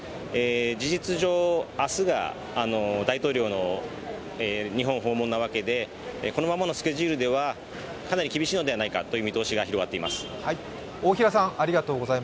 事実上、明日が大統領の日本訪問なわけで、このままのスケジュールではかなり厳しいのではないかという見通しが広がっています。